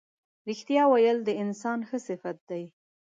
رښتیا ویل د انسان ښه صفت دی.